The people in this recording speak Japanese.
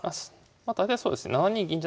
まあ大体そうです。